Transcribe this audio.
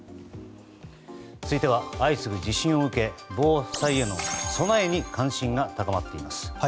続いては相次ぐ地震を受け防災への備えに関心が高まっています。